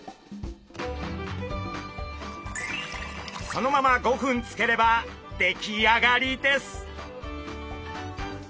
そのまま５分つければ出来上がりです！